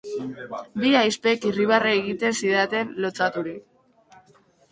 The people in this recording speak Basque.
Bi ahizpek irribarre egiten zidaten, lotsaturik.